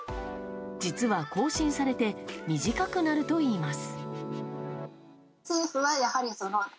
実は更新されて短くなるといいます。